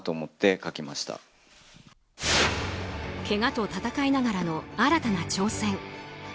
けがと戦いながらの新たな挑戦。